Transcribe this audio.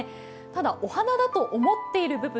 ただ、お花だと思っている部分、